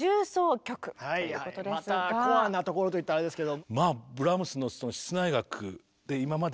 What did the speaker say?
またコアなところといったらあれですけど。